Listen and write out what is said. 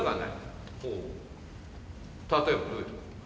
例えばどういうところ？